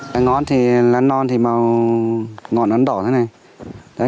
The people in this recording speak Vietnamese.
lá ngón thì lá non thì màu ngọn nó đỏ thế này